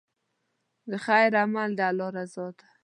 د خیر عمل د الله رضا ده.